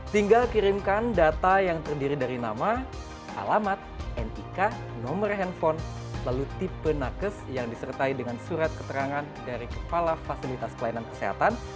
tinggal kirimkan data yang terdiri dari nama alamat nik nomor handphone lalu tipe nakes yang disertai dengan surat keterangan dari kepala fasilitas pelayanan kesehatan